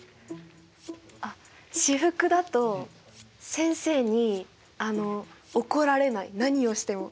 あっ私服だと先生にあの怒られない何をしても。